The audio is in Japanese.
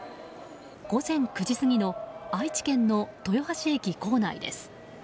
午前９時過ぎの愛知県の豊橋駅構内です。